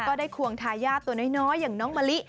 ควงทายาทตัวน้อยอย่างน้องมะลิ